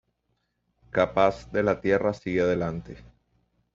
K-Paz de la Sierra sigue adelante.